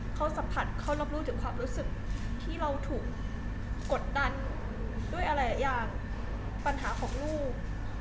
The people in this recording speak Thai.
เขาสัมผัสเขารับรู้ถึงความรู้สึกที่เราถูกกดดันด้วยอะไรหลายอย่างปัญหาของลูก